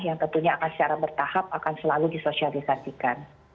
yang tentunya akan secara bertahap akan selalu disosialisasikan